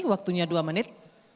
waktunya dua menit